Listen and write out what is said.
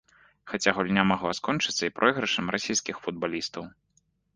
Хаця гульня магла скончыцца і пройгрышам расійскіх футбалістаў.